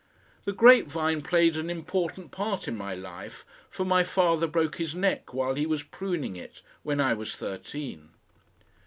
The grape vine played an important part in my life, for my father broke his neck while he was pruning it, when I was thirteen.